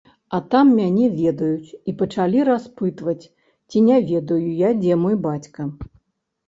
А там мяне ведаюць і пачалі распытваць, ці не ведаю я, дзе мой бацька.